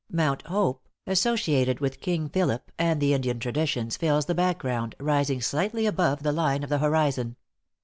Mount Hope, associated with King Philip, and the Indian traditions, fills the background, rising slightly above the line of the horizon.